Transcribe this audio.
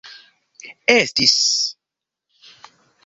estis